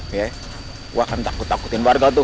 gue akan takut takutin warga tuh